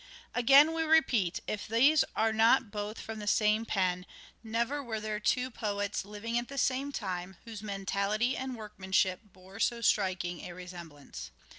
Again we repeat, if these are not both from the same pen, never were there two poets living at the same time whose mentality and workmanship bore so striking a resemblance.